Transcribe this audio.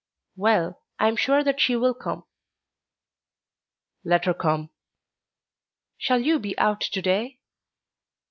"Well, I am sure that she will come." "Let her come." "Shall you be out to day?"